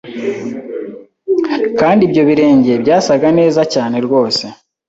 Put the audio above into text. Kandi ibyo birenge byasaga neza cyane rwose